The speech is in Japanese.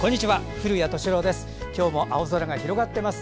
古谷敏郎です。